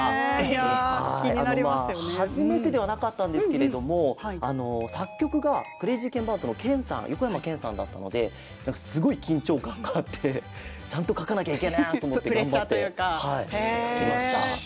初めてではなかったんですけれども作曲がクレイジーケンバンドの横山剣さんだったのですごい緊張感があってちゃんと書かなきゃいけないなと思って頑張って書きました。